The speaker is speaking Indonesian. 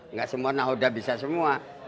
enggak semua nakhoda bisa semua